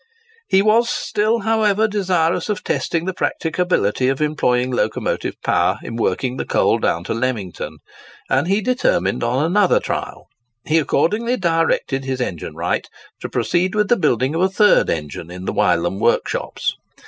He was still, however, desirous of testing the practicability of employing locomotive power in working the coal down to Lemington, and he determined on another trial. He accordingly directed his engine wright to proceed with the building of a third engine in the Wylam workshops.